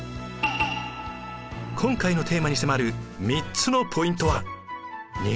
今回のテーマに迫る３つのポイントは。